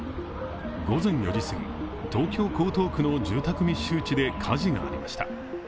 午前４時すぎ、東京・江東区の住宅密集地で火事がありました。